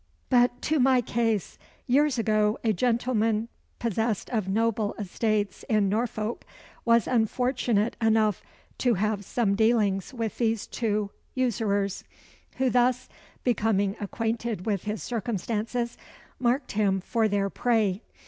"But to my case. Years ago, a gentleman possessed of noble estates in Norfolk, was unfortunate enough to have some dealings with these two usurers, who thus becoming acquainted with his circumstances, marked him for their prey.